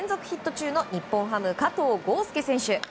中日本ハム、加藤豪将選手。